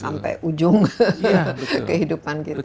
sampai ujung kehidupan